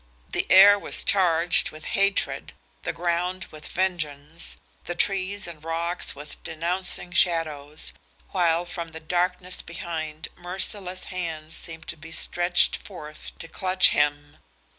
The air was charged with hatred, the ground with vengeance, the trees and rocks with denouncing shadows, while from the darkness behind merciless hands seemed to be stretching forth to clutch him.